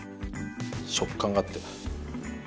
食感があって。